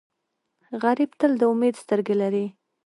غریب تل د امید سترګې لري